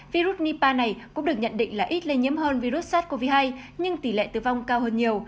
virus nipa này cũng được nhận định là ít lây nhiễm hơn virus sars cov hai nhưng tỷ lệ tử vong cao hơn nhiều